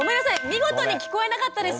見事に聞こえなかったです。